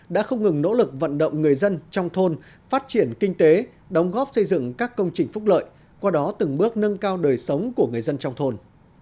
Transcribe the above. đã không ngừng nỗ lực vận động người dân trong thôn phát triển kinh tế đóng góp xây dựng các công trình phúc lợi qua đó từng bước nâng cao đời sống của người dân trong thôn